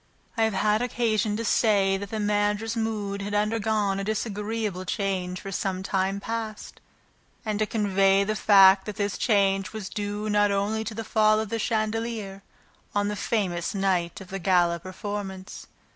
I have had occasion to say that the managers' mood had undergone a disagreeable change for some time past and to convey the fact that this change was due not only to the fall of the chandelier on the famous night of the gala performance.